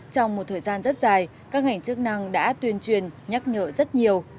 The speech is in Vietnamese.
trong một thời gian rất dài các ngành chức năng đã tuyên truyền nhắc nhở rất nhiều